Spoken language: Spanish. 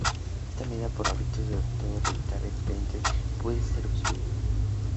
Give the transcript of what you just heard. Esta medida, poco habitual, se adoptó para evitar que el expediente pudiese ser sustraído.